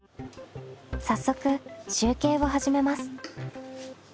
早速集計を始めます。